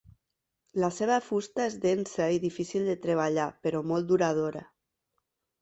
La seva fusta és densa i difícil de treballar però molt duradora.